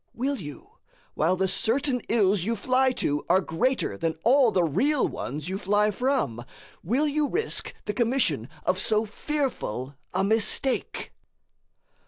Will you, while the certain ills you fly to are greater than all the real ones you fly from will you risk the commission of so fearful a mistake?